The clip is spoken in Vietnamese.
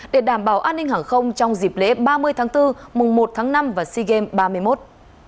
để đảm bảo an ninh hàng không trong dịp lễ ba mươi tháng bốn mùng một tháng năm và sea games ba mươi một